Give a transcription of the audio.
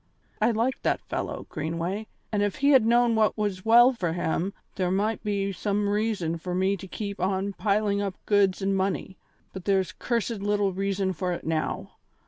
I liked that fellow, Greenway, and if he had known what was well for him there might be some reason for me to keep on piling up goods and money, but there's cursed little reason for it now.